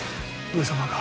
上様が。